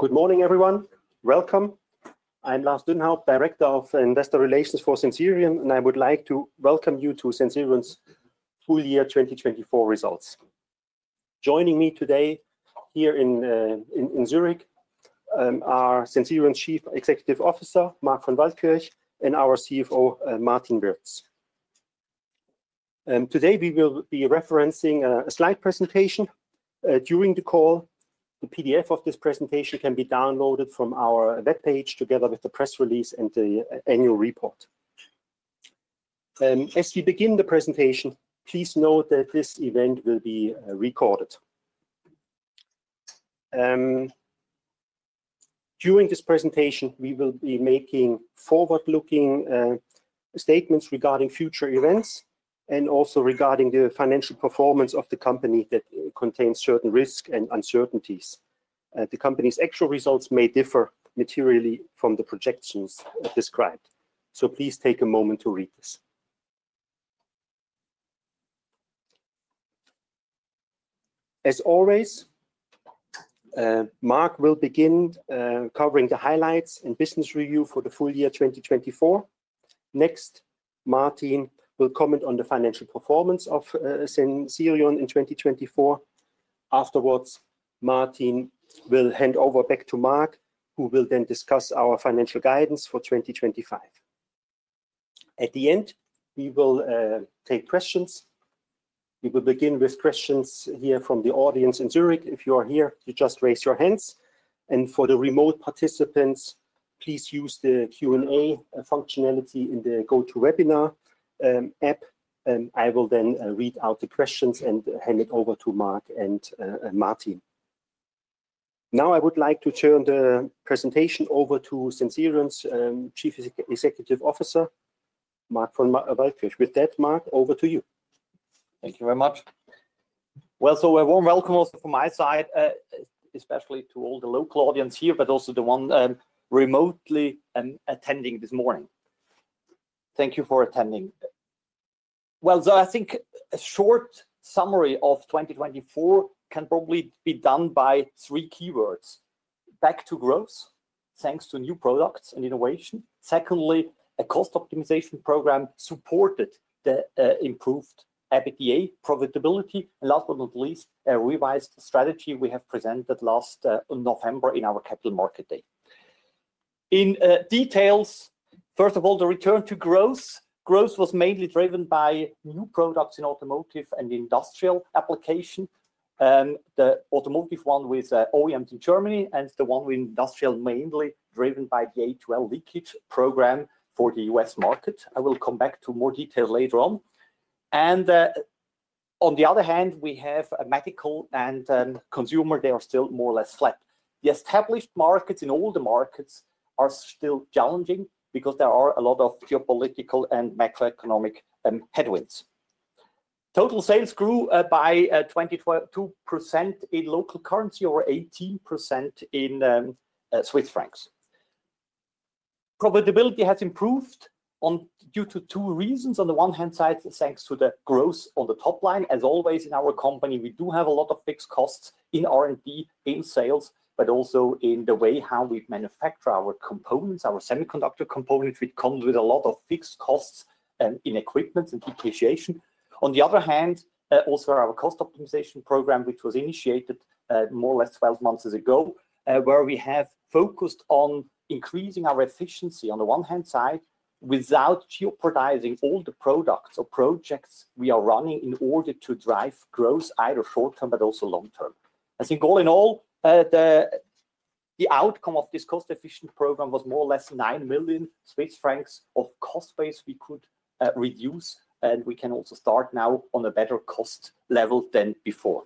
Good morning, everyone. Welcome. I'm Lars Dünnhaupt, Director of Investor Relations for Sensirion, and I would like to welcome you to Sensirion's full year 2024 results. Joining me today here in Zurich are Sensirion's Chief Executive Officer, Marc von Waldkirch, and our CFO, Martin Wirz. Today we will be referencing a slide presentation during the call. The PDF of this presentation can be downloaded from our webpage together with the press release and the annual report. As we begin the presentation, please note that this event will be recorded. During this presentation, we will be making forward-looking statements regarding future events and also regarding the financial performance of the company that contains certain risks and uncertainties. The company's actual results may differ materially from the projections described. Please take a moment to read this. As always, Marc will begin covering the highlights and business review for the full year 2024. Next, Martin will comment on the financial performance of Sensirion in 2024. Afterwards, Martin will hand over back to Marc, who will then discuss our financial guidance for 2025. At the end, we will take questions. We will begin with questions here from the audience in Zurich. If you are here, you just raise your hands. For the remote participants, please use the Q&A functionality in the GoToWebinar app. I will then read out the questions and hand it over to Marc and Martin. Now I would like to turn the presentation over to Sensirion's Chief Executive Officer, Marc von Waldkirch. With that, Marc, over to you. Thank you very much. A warm welcome also from my side, especially to all the local audience here, but also the ones remotely attending this morning. Thank you for attending. I think a short summary of 2024 can probably be done by three keywords: back to growth, thanks to new products and innovation. Secondly, a cost optimization program supported the improved EBITDA profitability. Last but not least, a revised strategy we have presented last November in our Capital Market Day. In detail, first of all, the return to growth. Growth was mainly driven by new products in automotive and industrial application. The automotive one with OEMs in Germany and the one with industrial mainly driven by the A2L leakage program for the US market. I will come back to more detail later on. On the other hand, we have medical and consumer. They are still more or less flat. The established markets in all the markets are still challenging because there are a lot of geopolitical and macroeconomic headwinds. Total sales grew by 22% in local currency or 18% in Swiss francs. Profitability has improved due to two reasons. On the one hand side, thanks to the growth on the top line. As always in our company, we do have a lot of fixed costs in R&D, in sales, but also in the way how we manufacture our components, our semiconductor components. We come with a lot of fixed costs in equipment and depreciation. On the other hand, also our cost optimization program, which was initiated more or less 12 months ago, where we have focused on increasing our efficiency on the one hand side without jeopardizing all the products or projects we are running in order to drive growth either short term but also long term. I think all in all, the outcome of this cost-efficient program was more or less 9 million Swiss francs of cost base we could reduce. We can also start now on a better cost level than before.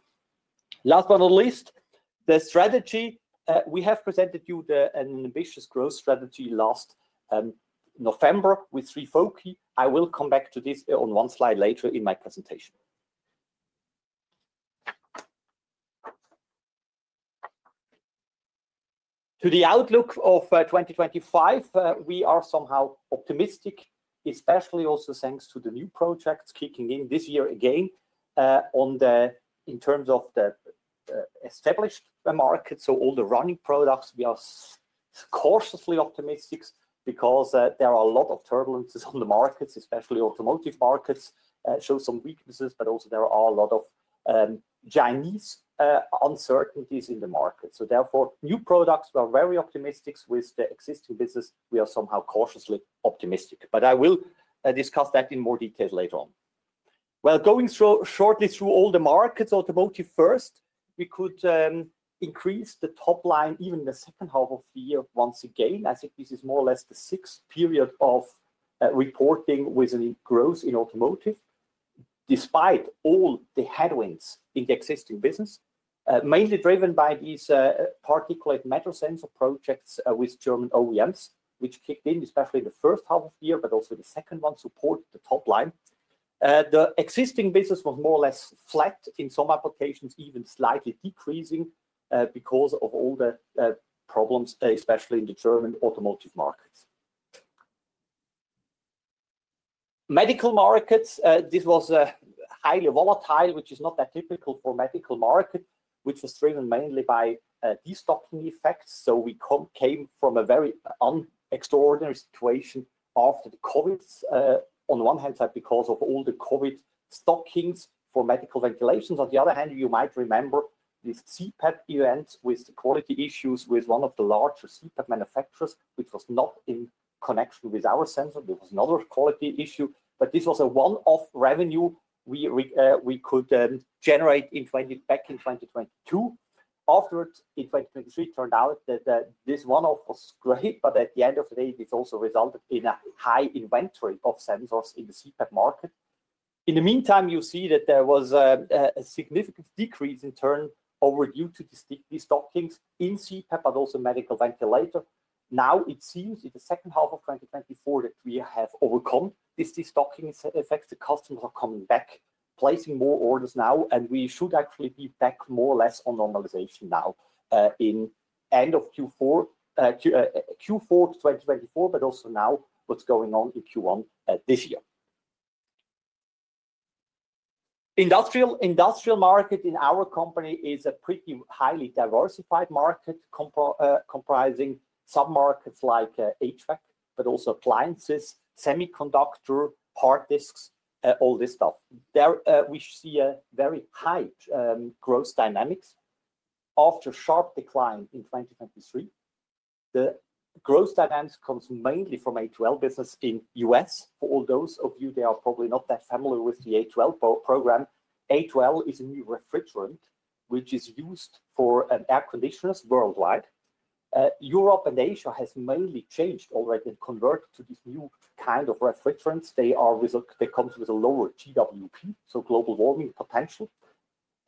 Last but not least, the strategy we have presented you an ambitious growth strategy last November with three foci. I will come back to this on one slide later in my presentation. To the outlook of 2025, we are somehow optimistic, especially also thanks to the new projects kicking in this year again in terms of the established market. All the running products, we are cautiously optimistic because there are a lot of turbulences on the markets, especially automotive markets show some weaknesses, but also there are a lot of Chinese uncertainties in the market. Therefore, new products, we are very optimistic with the existing business. We are somehow cautiously optimistic, but I will discuss that in more detail later on. Going shortly through all the markets, automotive first, we could increase the top line even in the second half of the year once again. I think this is more or less the sixth period of reporting with any growth in automotive despite all the headwinds in the existing business, mainly driven by these particulate matter sensor projects with German OEMs, which kicked in especially in the first half of the year, but also the second one supported the top line. The existing business was more or less flat in some applications, even slightly decreasing because of all the problems, especially in the German automotive markets. Medical markets, this was highly volatile, which is not that typical for medical market, which was driven mainly by destocking effects. We came from a very extraordinary situation after the COVID on one hand side because of all the COVID stockings for medical ventilations. On the other hand, you might remember the CPAP event with the quality issues with one of the larger CPAP manufacturers, which was not in connection with our sensor. There was another quality issue, but this was a one-off revenue we could generate back in 2022. Afterwards, in 2023, it turned out that this one-off was great, but at the end of the day, this also resulted in a high inventory of sensors in the CPAP market. In the meantime, you see that there was a significant decrease in turnover due to the destocking in CPAP, but also medical ventilator. Now it seems in the second half of 2024 that we have overcome this destocking effect. The customers are coming back, placing more orders now, and we should actually be back more or less on normalization now in end of Q4 2024, but also now what's going on in Q1 this year. Industrial market in our company is a pretty highly diversified market comprising sub-markets like HVAC, but also appliances, semiconductor, hard disks, all this stuff. We see a very high growth dynamic after a sharp decline in 2023. The growth dynamics comes mainly from A2L business in the US. For all those of you, they are probably not that familiar with the A2L program. A2L is a new refrigerant, which is used for air conditioners worldwide. Europe and Asia have mainly changed already and converted to this new kind of refrigerants. They come with a lower GWP, so global warming potential.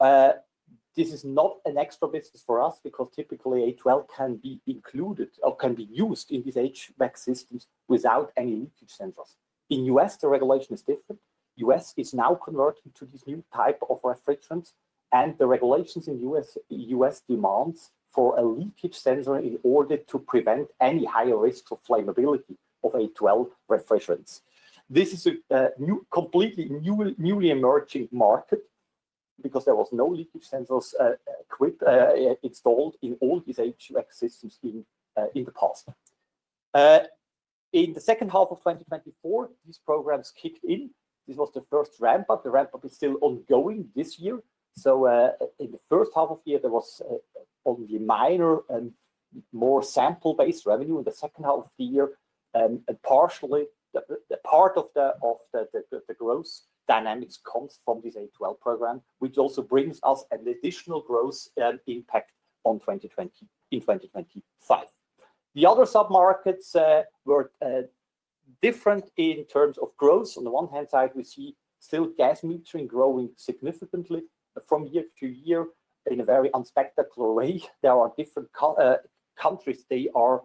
This is not an extra business for us because typically A2L can be included or can be used in these HVAC systems without any leakage sensors. In the U.S., the regulation is different. The U.S. is now converting to this new type of refrigerant and the regulations in the U.S. demand for a leakage sensor in order to prevent any higher risk of flammability of A2L refrigerants. This is a completely newly emerging market because there were no leakage sensors installed in all these HVAC systems in the past. In the second half of 2024, these programs kicked in. This was the first ramp-up. The ramp-up is still ongoing this year. In the first half of the year, there was only minor and more sample-based revenue. In the second half of the year, partially part of the growth dynamics comes from this A2L program, which also brings us an additional growth impact in 2025. The other sub-markets were different in terms of growth. On the one hand side, we see still gas metering growing significantly from year to year in a very unspectacular way. There are different countries. They are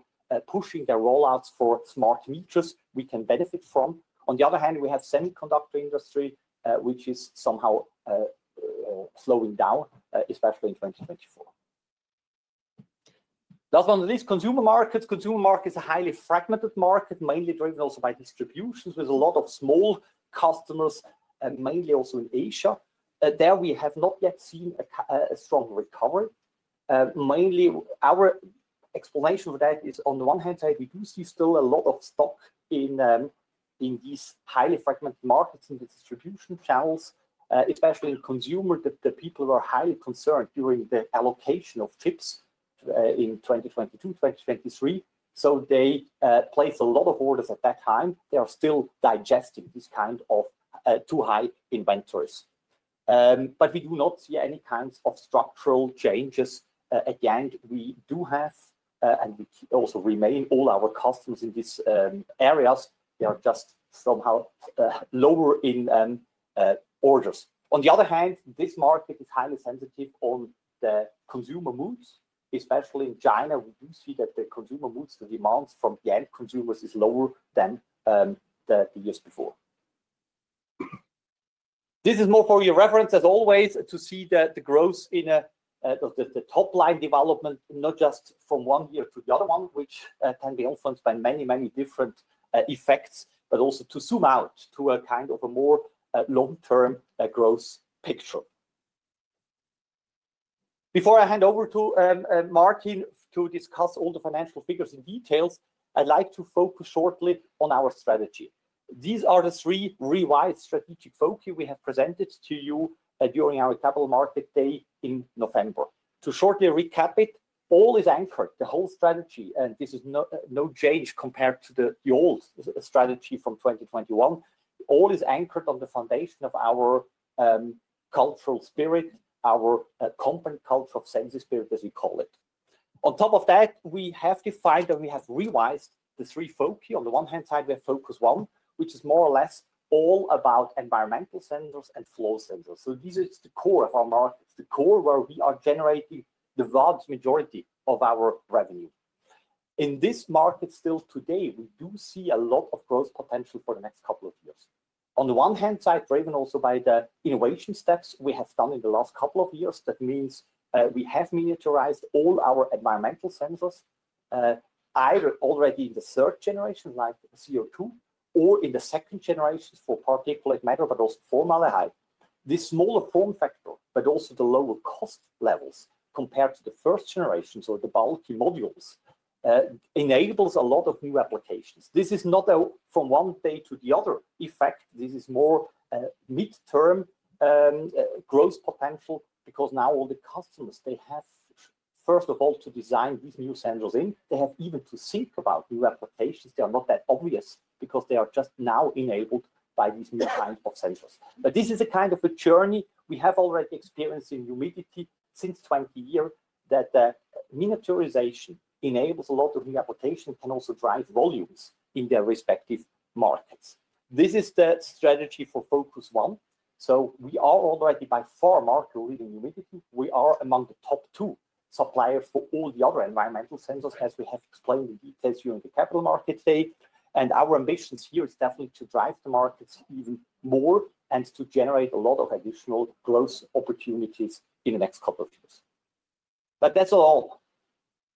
pushing their rollouts for smart meters we can benefit from. On the other hand, we have the semiconductor industry, which is somehow slowing down, especially in 2024. Last but not least, consumer markets. Consumer market is a highly fragmented market, mainly driven also by distributions with a lot of small customers, mainly also in Asia. There we have not yet seen a strong recovery. Mainly our explanation for that is on the one hand side, we do see still a lot of stock in these highly fragmented markets in the distribution channels, especially in consumer that the people were highly concerned during the allocation of chips in 2022, 2023. They placed a lot of orders at that time. They are still digesting this kind of too high inventories. We do not see any kinds of structural changes. At the end, we do have and we also remain all our customers in these areas. They are just somehow lower in orders. On the other hand, this market is highly sensitive on the consumer moods, especially in China. We do see that the consumer moods, the demands from the end consumers is lower than the years before. This is more for your reference, as always, to see the growth in the top line development, not just from one year to the other one, which can be influenced by many, many different effects, but also to zoom out to a kind of a more long-term growth picture. Before I hand over to Martin to discuss all the financial figures in detail, I'd like to focus shortly on our strategy. These are the three revised strategic focus we have presented to you during our Capital Market Day in November. To shortly recap it, all is anchored, the whole strategy, and this is no change compared to the old strategy from 2021. All is anchored on the foundation of our cultural spirit, our company culture of sensory spirit, as we call it. On top of that, we have defined and we have revised the three foci. On the one hand side, we have focus one, which is more or less all about environmental sensors and flow sensors. This is the core of our market, the core where we are generating the vast majority of our revenue. In this market still today, we do see a lot of growth potential for the next couple of years. On the one hand side, driven also by the innovation steps we have done in the last couple of years, that means we have miniaturized all our environmental sensors, either already in the third generation like CO2 or in the second generation for particulate matter, but also formaldehyde. This smaller form factor, but also the lower cost levels compared to the first generation or the bulky modules, enables a lot of new applications. This is not from one day to the other effect. This is more midterm growth potential because now all the customers, they have first of all to design these new sensors in. They have even to think about new applications. They are not that obvious because they are just now enabled by these new kinds of sensors. This is a kind of a journey we have already experienced in humidity since 20 years that miniaturization enables a lot of new applications and can also drive volumes in their respective markets. This is the strategy for focus one. We are already by far market-leading humidity. We are among the top two suppliers for all the other environmental sensors, as we have explained in details during the Capital Market Day. Our ambitions here is definitely to drive the markets even more and to generate a lot of additional growth opportunities in the next couple of years. That is all.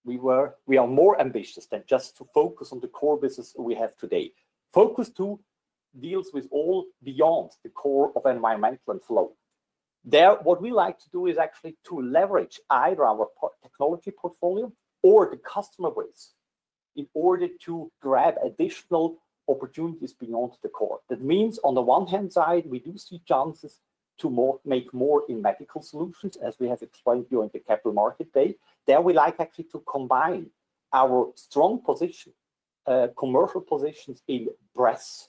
We are more ambitious than just to focus on the core business we have today. Focus two deals with all beyond the core of environmental and flow. There, what we like to do is actually to leverage either our technology portfolio or the customer base in order to grab additional opportunities beyond the core. That means on the one hand side, we do see chances to make more in medical solutions, as we have explained during the Capital Market Day. There we like actually to combine our strong commercial positions in breath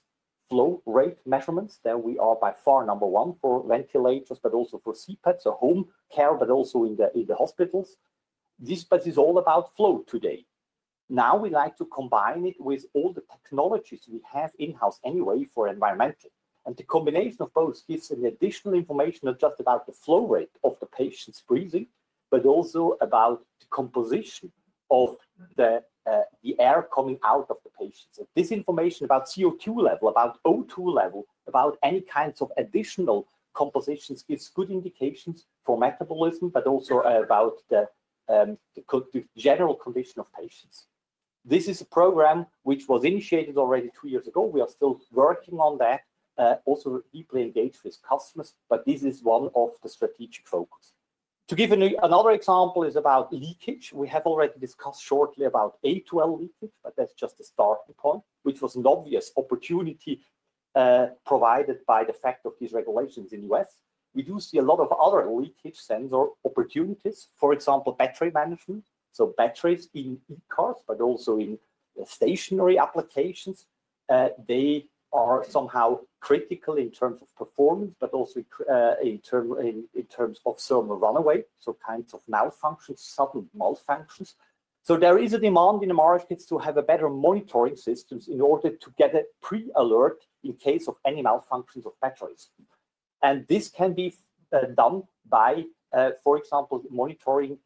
flow rate measurements. There we are by far number one for ventilators, but also for CPAPs, so home care, but also in the hospitals. This is all about flow today. Now we like to combine it with all the technologies we have in-house anyway for environmental. The combination of both gives additional information not just about the flow rate of the patient's breathing, but also about the composition of the air coming out of the patients. This information about CO2 level, about O2 level, about any kinds of additional compositions gives good indications for metabolism, but also about the general condition of patients. This is a program which was initiated already two years ago. We are still working on that, also deeply engaged with customers, but this is one of the strategic focus. To give another example is about leakage. We have already discussed shortly about A2L leakage, but that's just a starting point, which was an obvious opportunity provided by the fact of these regulations in the U.S. We do see a lot of other leakage sensor opportunities, for example, battery management, so batteries in e-cars, but also in stationary applications. They are somehow critical in terms of performance, but also in terms of thermal runaway, so kinds of malfunctions, sudden malfunctions. There is a demand in the markets to have better monitoring systems in order to get a pre-alert in case of any malfunctions of batteries. This can be done by, for example, monitoring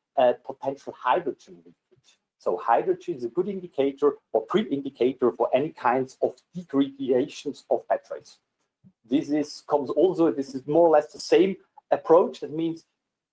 potential hydrogen leakage. Hydrogen is a good indicator or pre-indicator for any kinds of degradations of batteries. This is more or less the same approach. That means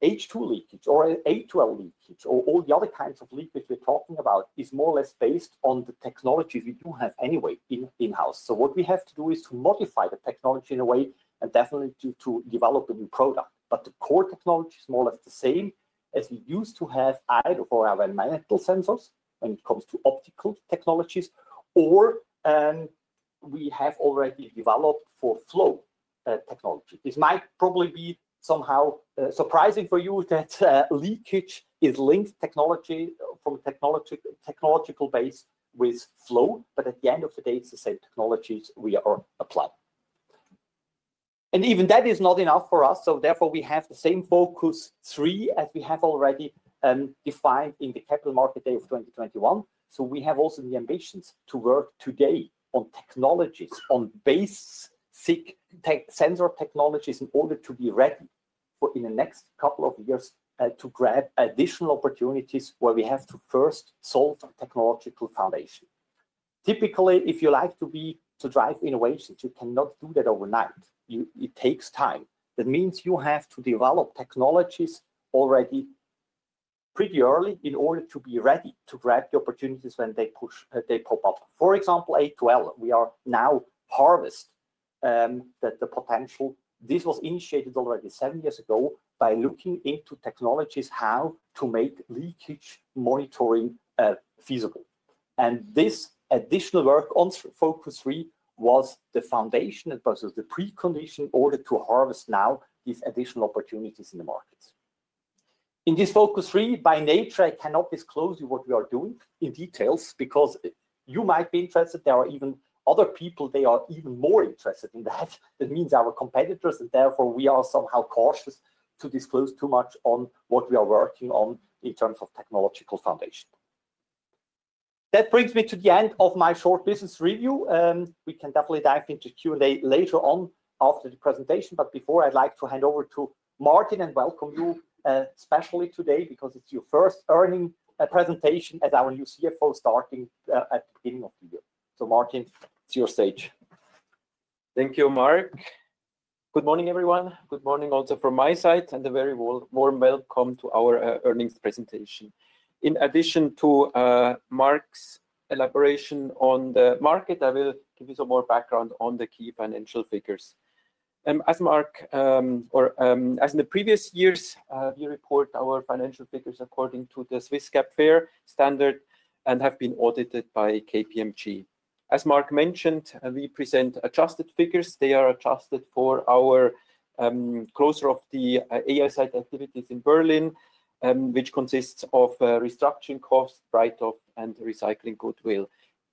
H2 leakage or A2L leakage or all the other kinds of leakage we are talking about is more or less based on the technologies we do have anyway in-house. What we have to do is to modify the technology in a way and definitely to develop a new product. The core technology is more or less the same as we used to have either for our environmental sensors when it comes to optical technologies or we have already developed for flow technology. This might probably be somehow surprising for you that leakage is linked technology from technological base with flow, but at the end of the day, it's the same technologies we are applying. Even that is not enough for us. Therefore, we have the same focus three as we have already defined in the Capital Market Day of 2021. We have also the ambitions to work today on technologies, on basic sensor technologies in order to be ready for in the next couple of years to grab additional opportunities where we have to first solve technological foundation. Typically, if you like to drive innovations, you cannot do that overnight. It takes time. That means you have to develop technologies already pretty early in order to be ready to grab the opportunities when they pop up. For example, A2L, we are now harvest the potential. This was initiated already seven years ago by looking into technologies how to make leakage monitoring feasible. This additional work on focus three was the foundation as well as the precondition in order to harvest now these additional opportunities in the markets. In this focus three, by nature, I cannot disclose what we are doing in details because you might be interested. There are even other people, they are even more interested in that. That means our competitors, and therefore we are somehow cautious to disclose too much on what we are working on in terms of technological foundation. That brings me to the end of my short business review. We can definitely dive into Q&A later on after the presentation. Before, I'd like to hand over to Martin and welcome you specially today because it's your first earnings presentation as our new CFO starting at the beginning of the year. Martin, it's your stage. Thank you, Mark. Good morning, everyone. Good morning also from my side and a very warm welcome to our earnings presentation. In addition to Mark's elaboration on the market, I will give you some more background on the key financial figures. As Mark or as in the previous years, we report our financial figures according to the Swiss GAAP FER standard and have been audited by KPMG. As Mark mentioned, we present adjusted figures. They are adjusted for our closure of the AiSight activities in Berlin, which consists of restructuring cost, write-off, and recycling goodwill.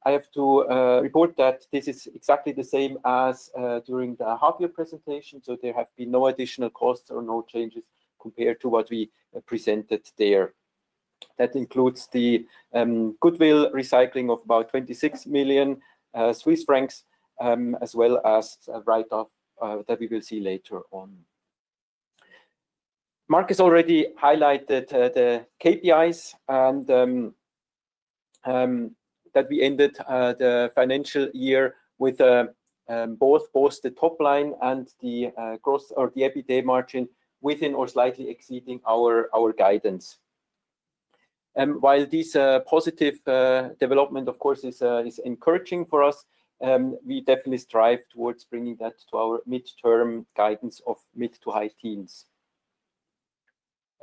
I have to report that this is exactly the same as during the half-year presentation. There have been no additional costs or no changes compared to what we presented there. That includes the goodwill recycling of about 26 million Swiss francs, as well as write-off that we will see later on. Marc has already highlighted the KPIs and that we ended the financial year with both the top line and the gross or the EBITDA margin within or slightly exceeding our guidance. While this positive development, of course, is encouraging for us, we definitely strive towards bringing that to our midterm guidance of mid to high teens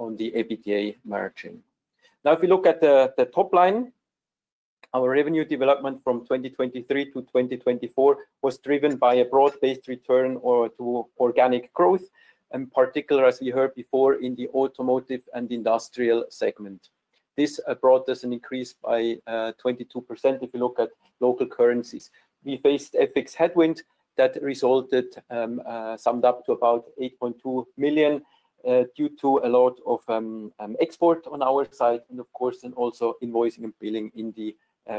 on the EBITDA margin. Now, if we look at the top line, our revenue development from 2023 to 2024 was driven by a broad-based return to organic growth, in particular, as we heard before in the automotive and industrial segment. This brought us an increase by 22% if you look at local currencies. We faced FX headwind that resulted summed up to about 8.2 million due to a lot of export on our side and, of course, also invoicing and billing in the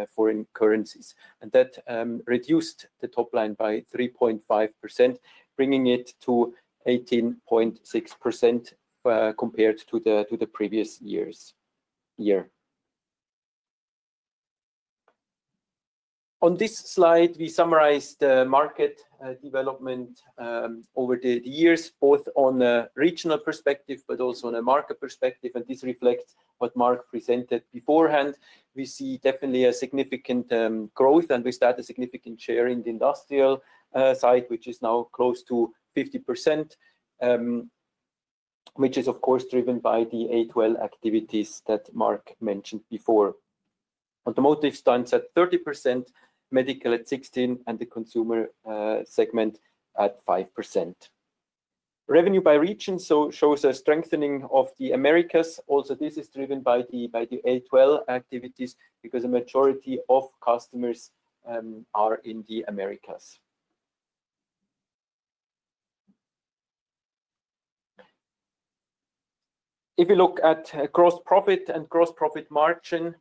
foreign currencies. That reduced the top line by 3.5%, bringing it to 18.6% compared to the previous year. On this slide, we summarized the market development over the years, both on a regional perspective, but also on a market perspective. This reflects what Marc presented beforehand. We see definitely a significant growth, and we start a significant share in the industrial side, which is now close to 50%, which is, of course, driven by the A2L activities that Marc mentioned before. Automotive stands at 30%, medical at 16%, and the consumer segment at 5%. Revenue by region shows a strengthening of the Americas. Also, this is driven by the A2L activities because a majority of customers are in the Americas. If we look at gross profit and gross profit margin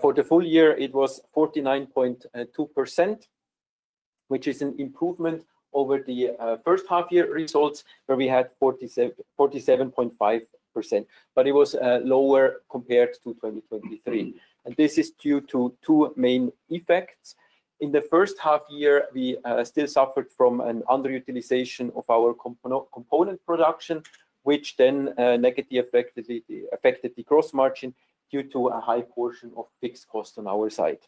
for the full year, it was 49.2%, which is an improvement over the first half-year results where we had 47.5%, but it was lower compared to 2023. This is due to two main effects. In the first half year, we still suffered from an underutilization of our component production, which then negatively affected the gross margin due to a high portion of fixed cost on our side.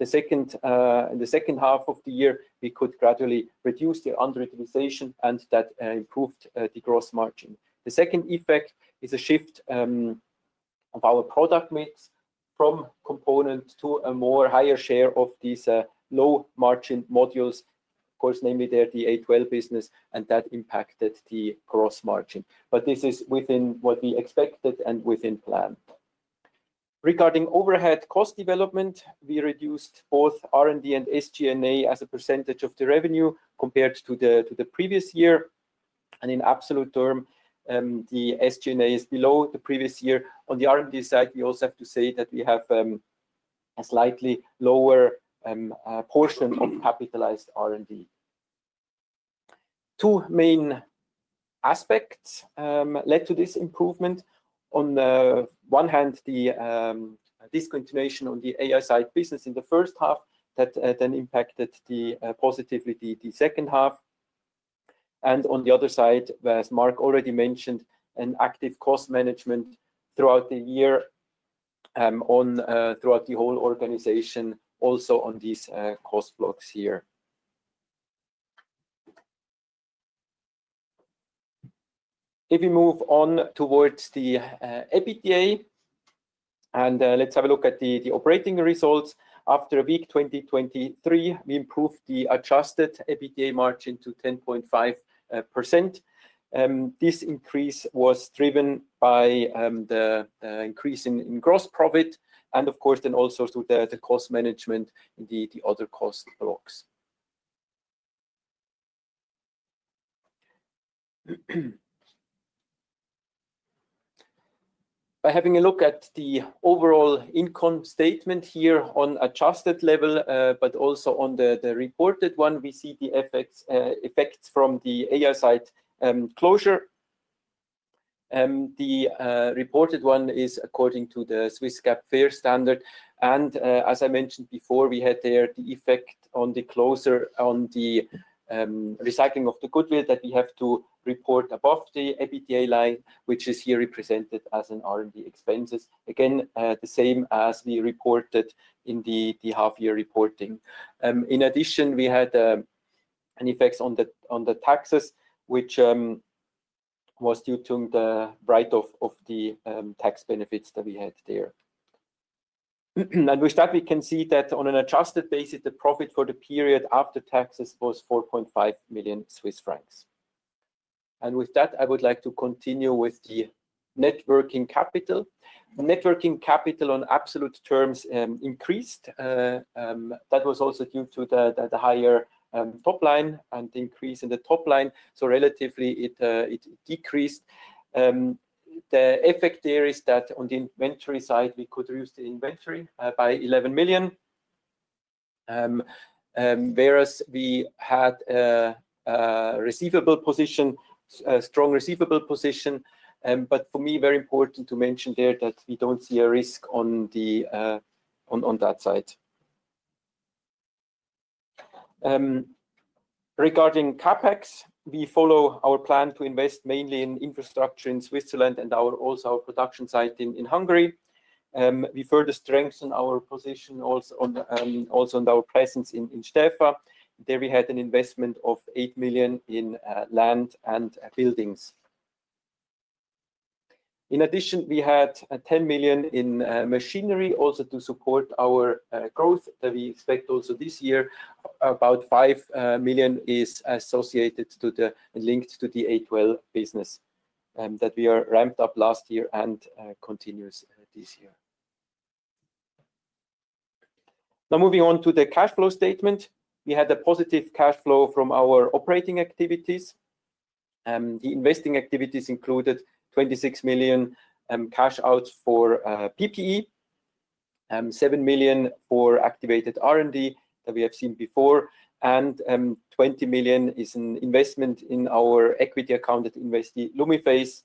In the second half of the year, we could gradually reduce the underutilization, and that improved the gross margin. The second effect is a shift of our product mix from component to a more higher share of these low-margin modules, of course, namely the A2L business, and that impacted the gross margin. This is within what we expected and within plan. Regarding overhead cost development, we reduced both R&D and SG&A as a percentage of the revenue compared to the previous year. In absolute terms, the SG&A is below the previous year. On the R&D side, we also have to say that we have a slightly lower portion of capitalized R&D. Two main aspects led to this improvement. On the one hand, the discontinuation on the Aisight business in the first half that then impacted positively the second half. On the other side, as Marc already mentioned, an active cost management throughout the year throughout the whole organization, also on these cost blocks here. If we move on towards the EBITDA, let's have a look at the operating results. After a weak 2023, we improved the adjusted EBITDA margin to 10.5%. This increase was driven by the increase in gross profit and, of course, then also through the cost management in the other cost blocks. By having a look at the overall income statement here on adjusted level, but also on the reported one, we see the effects from the AI side closure. The reported one is according to the Swiss GAAP FER standard. As I mentioned before, we had there the effect on the closure on the recycling of the goodwill that we have to report above the EBITDA line, which is here represented as an R&D expenses. Again, the same as we reported in the half-year reporting. In addition, we had an effect on the taxes, which was due to the write-off of the tax benefits that we had there. With that, we can see that on an adjusted basis, the profit for the period after taxes was 4.5 million Swiss francs. With that, I would like to continue with the net working capital. Net working capital in absolute terms increased. That was also due to the higher top line and the increase in the top line. Relatively, it decreased. The effect there is that on the inventory side, we could reduce the inventory by 11 million, whereas we had a strong receivable position. For me, very important to mention there that we do not see a risk on that side. Regarding CapEx, we follow our plan to invest mainly in infrastructure in Switzerland and also our production site in Hungary. We further strengthen our position also on our presence in Stäfa. There we had an investment of 8 million in land and buildings. In addition, we had 10 million in machinery also to support our growth that we expect also this year. About 5 million is associated to the linked to the A2L business that we ramped up last year and continues this year. Now moving on to the cash flow statement, we had a positive cash flow from our operating activities. The investing activities included 26 million cash outs for PPE, 7 million for activated R&D that we have seen before, and 20 million is an investment in our equity account that invests in Lumiphase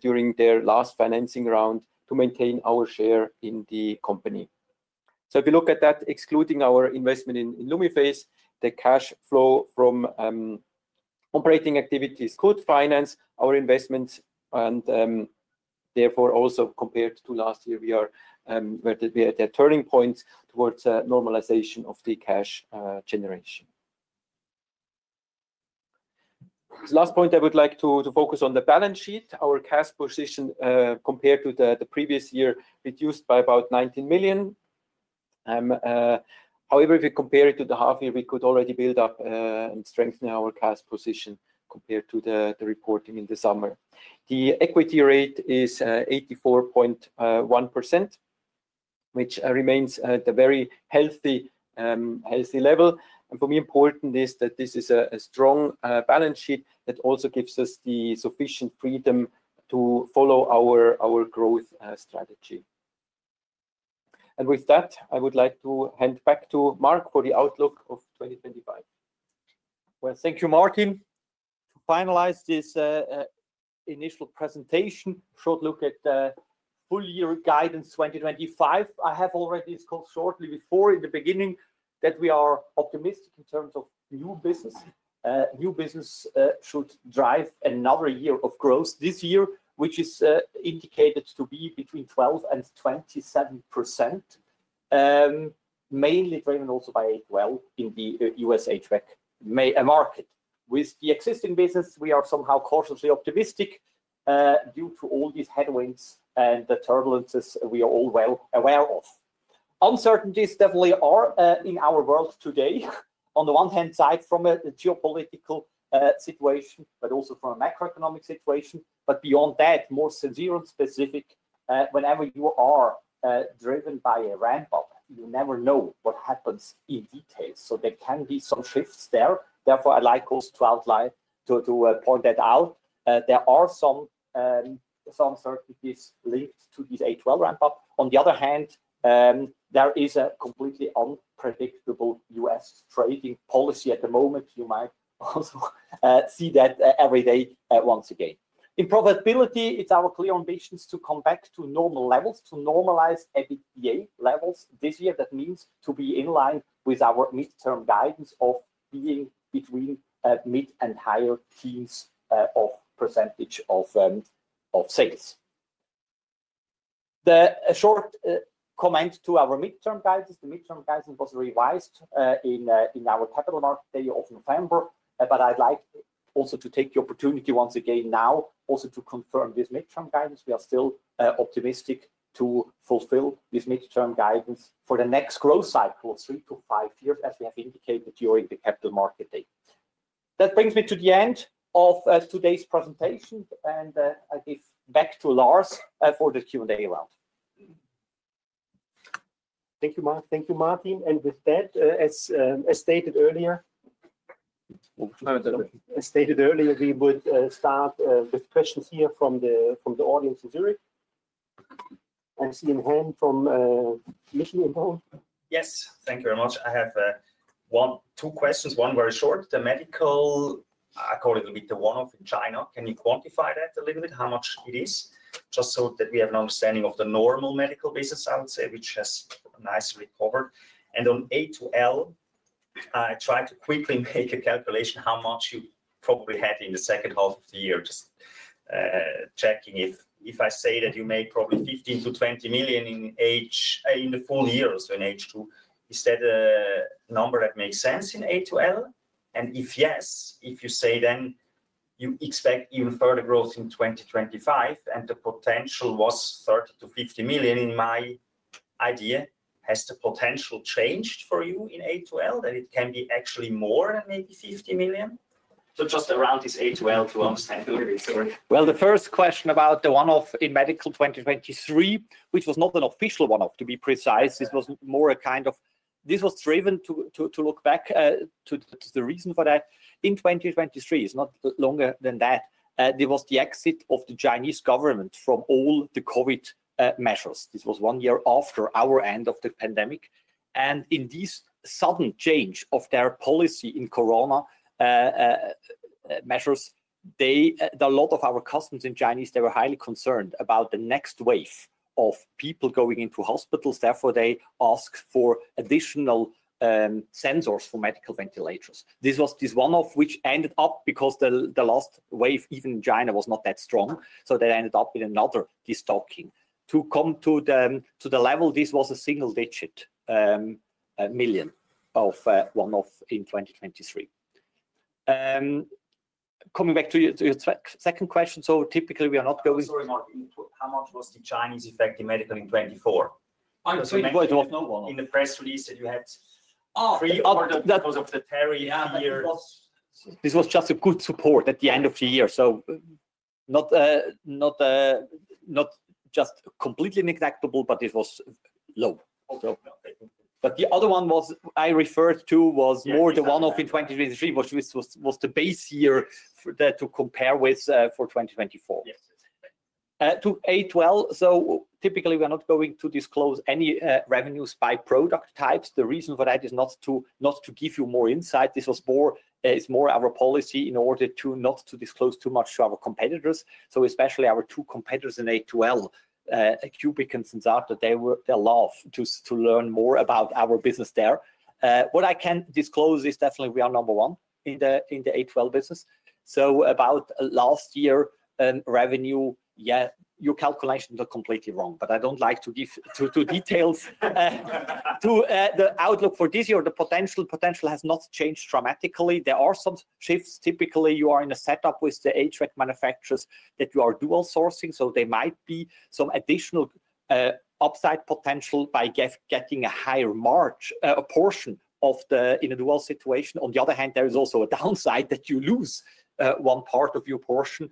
during their last financing round to maintain our share in the company. If we look at that, excluding our investment in Lumiphase, the cash flow from operating activities could finance our investments. Therefore, also compared to last year, we are at a turning point towards normalization of the cash generation. Last point, I would like to focus on the balance sheet. Our cash position compared to the previous year reduced by about 19 million. However, if we compare it to the half-year, we could already build up and strengthen our cash position compared to the reporting in the summer. The equity rate is 84.1%, which remains at a very healthy level. For me, important is that this is a strong balance sheet that also gives us the sufficient freedom to follow our growth strategy. With that, I would like to hand back to Marc for the outlook of 2025. Thank you, Martin. To finalize this initial presentation, a short look at the full-year guidance 2025. I have already discussed shortly before in the beginning that we are optimistic in terms of new business. New business should drive another year of growth this year, which is indicated to be between 12% and 27%, mainly driven also by A2L in the U.S. HVAC market. With the existing business, we are somehow cautiously optimistic due to all these headwinds and the turbulences we are all well aware of. Uncertainties definitely are in our world today, on the one hand side from a geopolitical situation, but also from a macroeconomic situation. Beyond that, more severe and specific, whenever you are driven by a ramp-up, you never know what happens in detail. There can be some shifts there. Therefore, I'd like us to outline to point that out. There are some uncertainties linked to this A2L ramp-up. On the other hand, there is a completely unpredictable U.S. trading policy at the moment. You might also see that every day once again. In profitability, it's our clear ambitions to come back to normal levels, to normalize EBITDA levels this year. That means to be in line with our midterm guidance of being between mid and higher teens % of sales. A short comment to our midterm guidance. The midterm guidance was revised in our Capital Market Day of November. I would like also to take the opportunity once again now also to confirm this midterm guidance. We are still optimistic to fulfill this midterm guidance for the next growth cycle of three to five years, as we have indicated during the Capital Market Day. That brings me to the end of today's presentation, and I give back to Lars for the Q&A round. Thank you, Marc. Thank you, Martin. With that, as stated earlier, as stated earlier, we would start with questions here from the audience in Zurich. I see in hand from Michiael in Poland. Yes, thank you very much. I have two questions, one very short. The medical, I call it a little bit the one-off in China. Can you quantify that a little bit how much it is? Just so that we have an understanding of the normal medical business, I would say, which has nicely recovered. On A2L, I tried to quickly make a calculation how much you probably had in the second half of the year, just checking if I say that you make probably 15 million-20 million in the full year or so in H2. Is that a number that makes sense in A2L? If yes, if you say then you expect even further growth in 2025, and the potential was 30-50 million in my idea, has the potential changed for you in A2L that it can be actually more than maybe 50 million? Just around this A2L to understand a little bit. The first question about the one-off in medical 2023, which was not an official one-off, to be precise. This was more a kind of this was driven to look back to the reason for that. In 2023, it is not longer than that. There was the exit of the Chinese government from all the COVID measures. This was one year after our end of the pandemic. In this sudden change of their policy in corona measures, a lot of our customers in China, they were highly concerned about the next wave of people going into hospitals. Therefore, they asked for additional sensors for medicalventilators. This was this one-off, which ended up because the last wave, even in China, was not that strong. They ended up with another destocking to come to the level. This was a single-digit million of one-off in 2023. Coming back to your second question, typically we are not going to. Sorry, Mark, how much was the Chinese effect in medical in 2024? It was no one. In the press release that you had. Oh, that was of the transitory or inventory. This was just a good support at the end of the year. Not just completely neglectable, but it was low. The other one I referred to was more the one-off in 2023, which was the base year to compare with for 2024. To A2L, typically we are not going to disclose any revenues by product types. The reason for that is not to give you more insight. This is more our policy in order to not disclose too much to our competitors. Especially our two competitors in A2L, Cubic and Sensata, they love to learn more about our business there. What I can disclose is definitely we are number one in the A2L business. About last year revenue, yeah, your calculations are completely wrong. I do not like to give too many details. To the outlook for this year, the potential has not changed dramatically. There are some shifts. Typically, you are in a setup with the HVAC manufacturers that you are dual sourcing. There might be some additional upside potential by getting a higher margin, a portion of the in a dual situation. On the other hand, there is also a downside that you lose one part of your portion.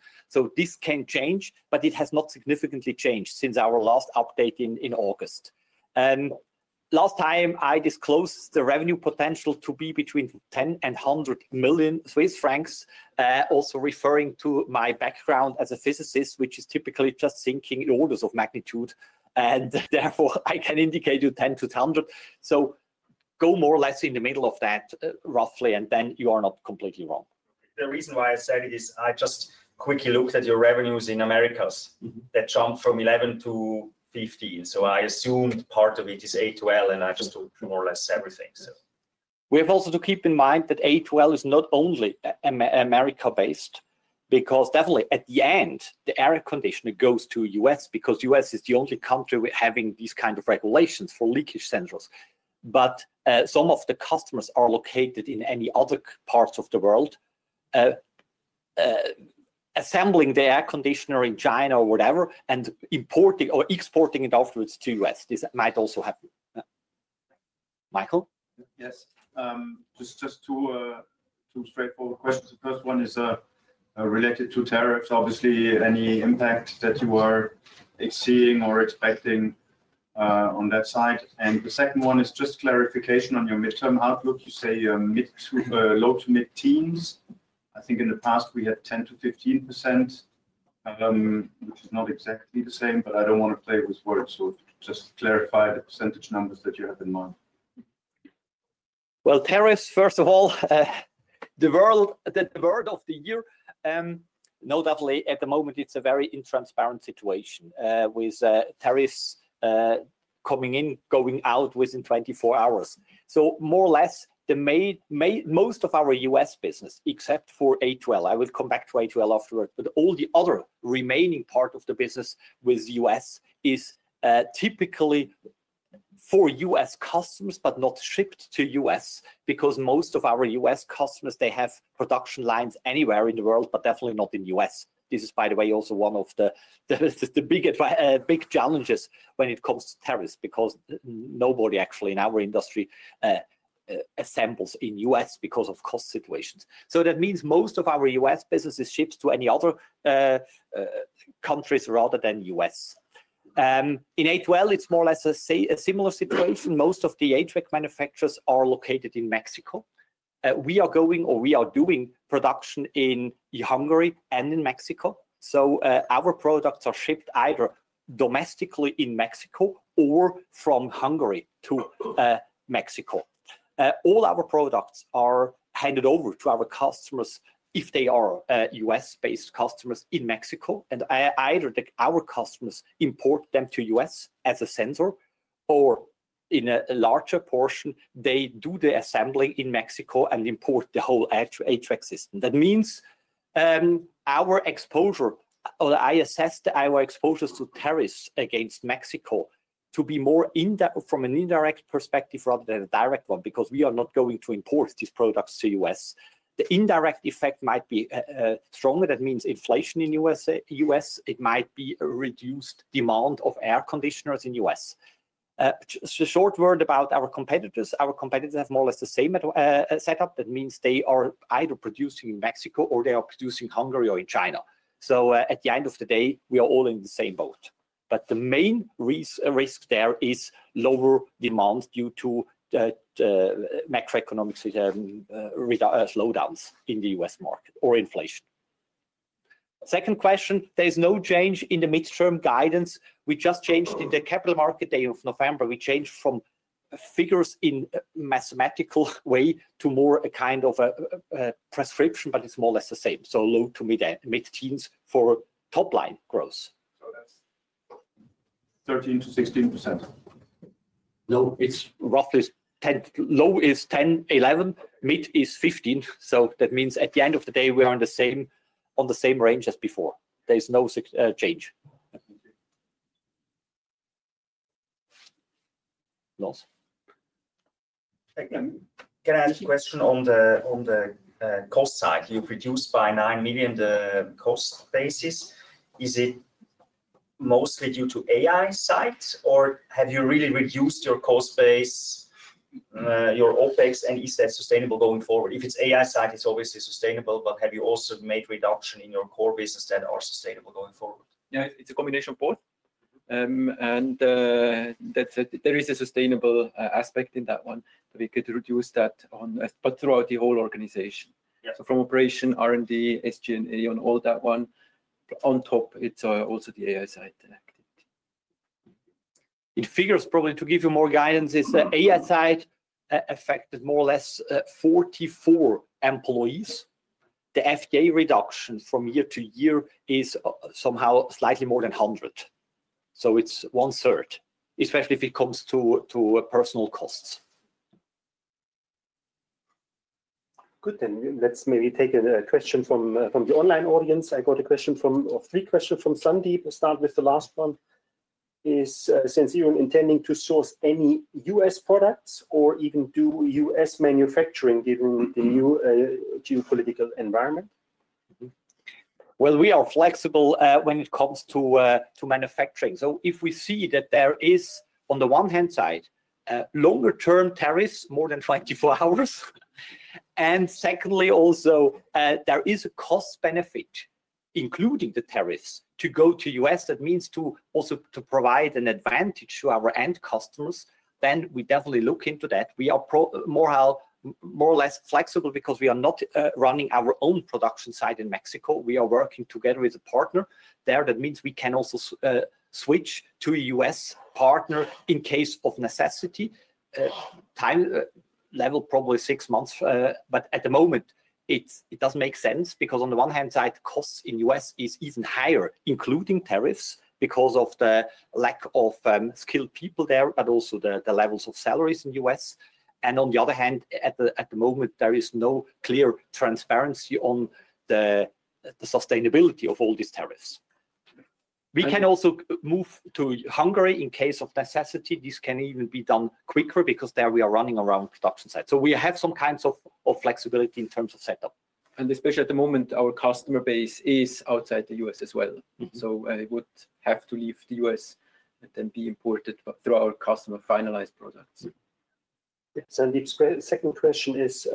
This can change, but it has not significantly changed since our last update in August. Last time, I disclosed the revenue potential to be between 10 million Swiss francs and 100 million Swiss francs, also referring to my background as a physicist, which is typically just thinking in orders of magnitude. Therefore, I can indicate you 10 million to 100 million. Go more or less in the middle of that roughly, and then you are not completely wrong. The reason why I said it is I just quickly looked at your revenues in Americas that jumped from 11 million to 15 million. I assumed part of it is A2L, and I just took more or less everything. We have also to keep in mind that A2L is not only America-based because definitely at the end, the air conditioner goes to the U.S. because the U.S. is the only country having these kinds of regulations for leakage sensors. Some of the customers are located in any other parts of the world assembling the air conditioner in China or whatever and importing or exporting it afterwards to the U.S. This might also happen. Michael? Yes. Just two straightforward questions. The first one is related to tariffs, obviously any impact that you are seeing or expecting on that side. The second one is just clarification on your midterm outlook. You say low to mid-teens. I think in the past we had 10-15%, which is not exactly the same, but I do not want to play with words. Just clarify the percentage numbers that you have in mind. Tariffs, first of all, the word of the year, no doubt at the moment, it's a very intransparent situation with tariffs coming in, going out within 24 hours. More or less, most of our U.S. business, except for A2L, I will come back to A2L afterwards, but all the other remaining part of the business with the U.S. is typically for U.S. customers, but not shipped to the U.S. because most of our U.S. customers, they have production lines anywhere in the world, but definitely not in the U.S. This is, by the way, also one of the big challenges when it comes to tariffs because nobody actually in our industry assembles in the U.S. because of cost situations. That means most of our U.S. business is shipped to any other countries rather than the U.S. In A2L, it's more or less a similar situation. Most of the HVAC manufacturers are located in Mexico. We are going or we are doing production in Hungary and in Mexico. Our products are shipped either domestically in Mexico or from Hungary to Mexico. All our products are handed over to our customers if they are US-based customers in Mexico. Either our customers import them to the US as a sensor or, in a larger portion, they do the assembly in Mexico and import the whole HVAC system. That means our exposure, or I assessed our exposures to tariffs against Mexico to be more from an indirect perspective rather than a direct one because we are not going to import these products to the US. The indirect effect might be stronger. That means inflation in the US. It might be a reduced demand of air conditioners in the U.S. A short word about our competitors. Our competitors have more or less the same setup. That means they are either producing in Mexico or they are producing in Hungary or in China. At the end of the day, we are all in the same boat. The main risk there is lower demand due to macroeconomic slowdowns in the U.S. market or inflation. Second question, there is no change in the midterm guidance. We just changed in the Capital Market Day of November. We changed from figures in a mathematical way to more a kind of a prescription, but it is more or less the same. Low to mid-teens for top-line growth. That is 13-16%. No, it is roughly low is 10, 11. Mid is 15. That means at the end of the day, we are on the same range as before. There is no change. Can I ask a question on the cost side? You've reduced by 9 million the cost basis. Is it mostly due to AI sites or have you really reduced your cost base, your OPEX, and is that sustainable going forward? If it's AI site, it's obviously sustainable, but have you also made reduction in your core business that are sustainable going forward? Yeah, it's a combination of both. There is a sustainable aspect in that one. We could reduce that on, but throughout the whole organization. From operation, R&D, SG&A, on all that one. On top, it's also the AI side activity. In figures, probably to give you more guidance, the AI side affected more or less 44 employees. The FTE reduction from year to year is somehow slightly more than 100. So it's one-third, especially if it comes to personal costs. Good. Let's maybe take a question from the online audience. I got a question from three questions from Sandeep. We'll start with the last one. Is Sensirion intending to source any US products or even do US manufacturing given the new geopolitical environment? We are flexible when it comes to manufacturing. If we see that there is, on the one hand side, longer-term tariffs, more than 24 hours. Secondly, also there is a cost benefit, including the tariffs, to go to the US. That means also to provide an advantage to our end customers. We definitely look into that. We are more or less flexible because we are not running our own production site in Mexico. We are working together with a partner there. That means we can also switch to a US partner in case of necessity. Time level, probably six months. At the moment, it does not make sense because on the one hand side, costs in the US are even higher, including tariffs, because of the lack of skilled people there, but also the levels of salaries in the US. On the other hand, at the moment, there is no clear transparency on the sustainability of all these tariffs. We can also move to Hungary in case of necessity. This can even be done quicker because there we are running around production sites. We have some kinds of flexibility in terms of setup. Especially at the moment, our customer base is outside the US as well. It would have to leave the U.S. and then be imported through our customer finalized products. The second question is,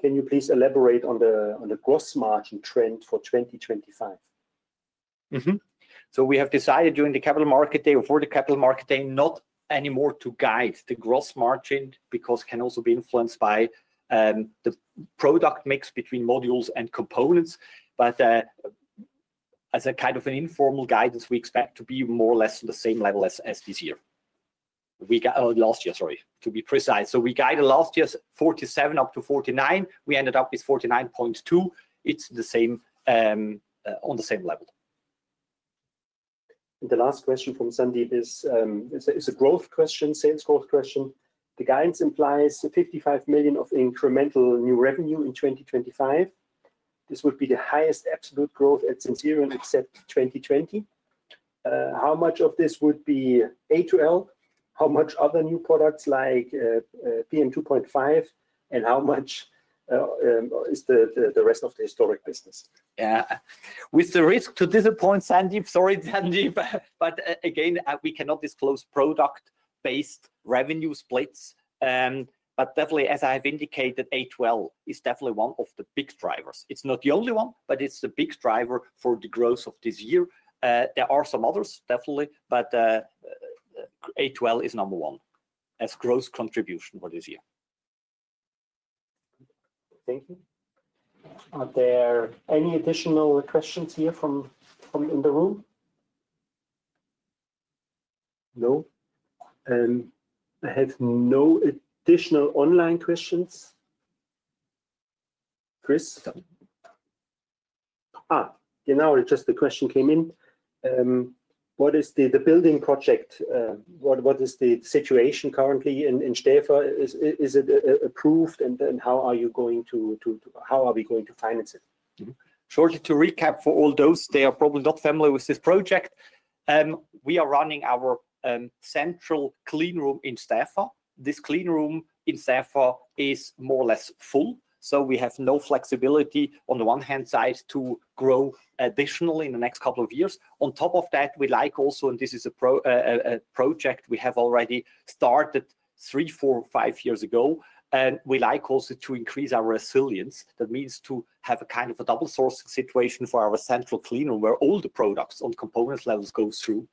can you please elaborate on the gross margin trend for 2025? We have decided during the Capital Market Day or for the Capital Market Day not anymore to guide the gross margin because it can also be influenced by the product mix between modules and components. As a kind of informal guidance, we expect to be more or less on the same level as this year. Last year, sorry, to be precise. We guided last year's 47-49%. We ended up with 49.2%. It is the same, on the same level. The last question from Sundie is a growth question, sales growth question. The guidance implies 55 million of incremental new revenue in 2025. This would be the highest absolute growth at Sensirion except 2020. How much of this would be A2L? How much other new products like PM2.5? And how much is the rest of the historic business? Yeah. With the risk to disappoint, Sandy, sorry, Sandy, but again, we cannot disclose product-based revenue splits. Definitely, as I have indicated, A2L is definitely one of the big drivers. It's not the only one, but it's the big driver for the growth of this year. There are some others, definitely, but A2L is number one as growth contribution for this year. Thank you. Are there any additional questions here from in the room? No. I have no additional online questions. Chris? Now just the question came in. What is the building project? What is the situation currently in Stäfa? Is it approved? How are you going to, how are we going to finance it? Shortly, to recap for all those that are probably not familiar with this project. We are running our central cleanroom in Stäfa. This cleanroom in Stäfa is more or less full. We have no flexibility on the one hand side to grow additionally in the next couple of years. On top of that, we like also, and this is a project we have already started three, four, five years ago. We like also to increase our resilience. That means to have a kind of a double source situation for our central cleanroom where all the products on components levels go through.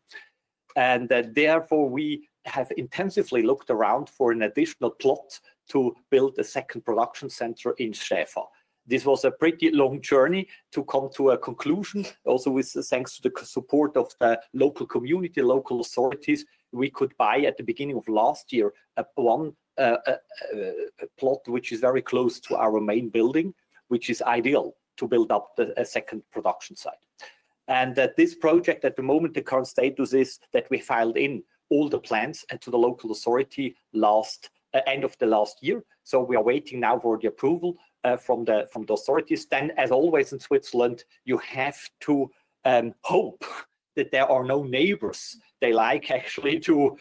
Therefore, we have intensively looked around for an additional plot to build a second production center in Stäfa. This was a pretty long journey to come to a conclusion. Also, thanks to the support of the local community, local authorities, we could buy at the beginning of last year one plot, which is very close to our main building, which is ideal to build up a second production site. This project, at the moment, the current status is that we filed in all the plans to the local authority at the end of last year. We are waiting now for the approval from the authorities. As always in Switzerland, you have to hope that there are no neighbors. They like actually to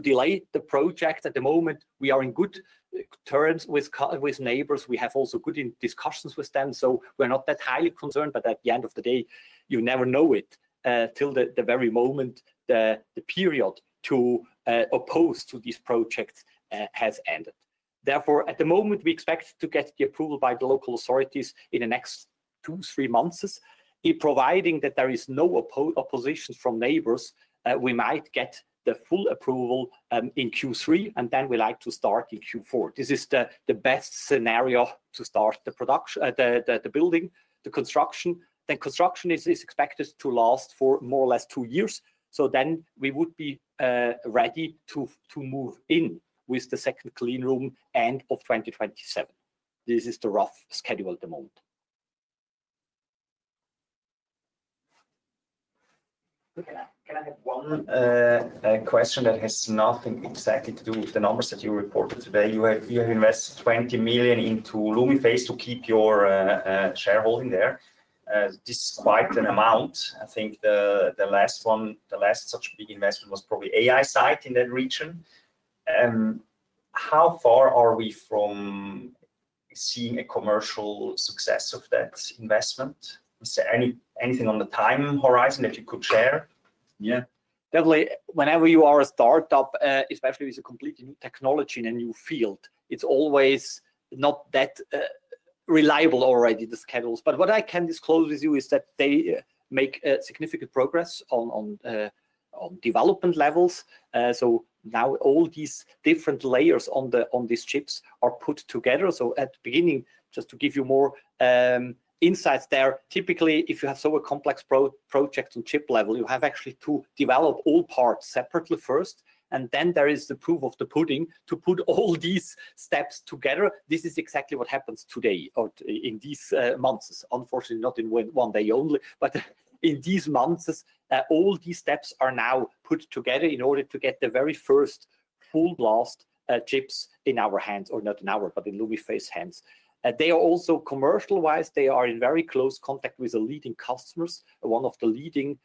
delay the project. At the moment, we are in good terms with neighbors. We have also good discussions with them. We are not that highly concerned, but at the end of the day, you never know it till the very moment the period to oppose to these projects has ended. Therefore, at the moment, we expect to get the approval by the local authorities in the next two, three months. Providing that there is no opposition from neighbors, we might get the full approval in Q3, and then we like to start in Q4. This is the best scenario to start the building, the construction. Construction is expected to last for more or less two years. We would be ready to move in with the second cleanroom end of 2027. This is the rough schedule at the moment. Can I have one question that has nothing exactly to do with the numbers that you reported today? You have invested 20 million into Lumiphase to keep your shareholding there. This is quite an amount. I think the last such big investment was probably AI site in that region. How far are we from seeing a commercial success of that investment? Is there anything on the time horizon that you could share? Yeah. Definitely. Whenever you are a startup, especially with a completely new technology in a new field, it's always not that reliable already, the schedules. What I can disclose with you is that they make significant progress on development levels. Now all these different layers on these chips are put together. At the beginning, just to give you more insights there, typically, if you have so a complex project on chip level, you have actually to develop all parts separately first. Then there is the proof of the pudding to put all these steps together. This is exactly what happens today or in these months. Unfortunately, not in one day only, but in these months, all these steps are now put together in order to get the very first full blast chips in our hands or not in our, but in Lumiphase's hands. They are also commercialized. They are in very close contact with the leading customers, one of the leading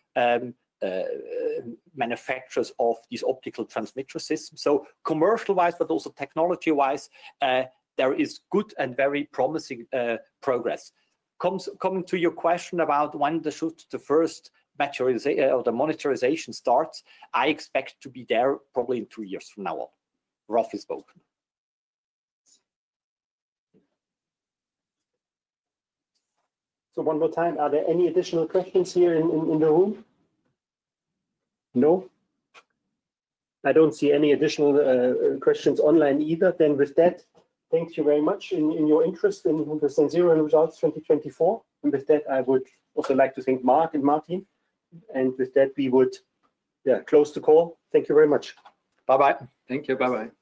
manufacturers of these optical transmitter systems. Commercialized, but also technology-wise, there is good and very promising progress. Coming to your question about when the first monetization starts, I expect to be there probably in two years from now on, roughly spoken. One more time, are there any additional questions here in the room? No. I do not see any additional questions online either. With that, thank you very much for your interest in the Sensirion results 2024. With that, I would also like to thank Marc and Martin. With that, we would close the call. Thank you very much. Bye-bye. Thank you. Bye-bye.